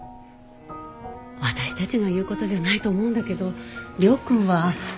私たちが言うことじゃないと思うんだけど亮君は。